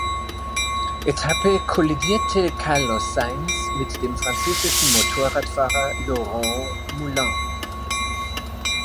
Etappe kollidierte Carlos Sainz mit dem französischen Motorradfahrer Laurent Moulin.